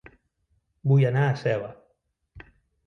Vull anar a Seva